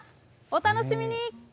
お楽しみに。